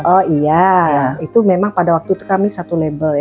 oh iya itu memang pada waktu itu kami satu label ya